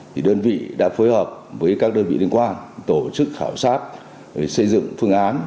thì đơn vị đã phối hợp với các đơn vị liên quan tổ chức khảo sát xây dựng phương án